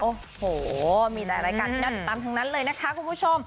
โอ้โหมีแต่รายการที่น่าติดตามทั้งนั้นเลยนะคะคุณผู้ชม